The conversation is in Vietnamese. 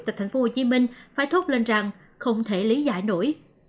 tại tp hcm phải thốt lên rằng không thể lý giải nổi